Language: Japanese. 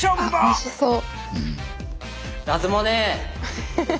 おいしそう。